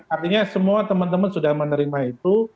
artinya semua teman teman sudah menerima itu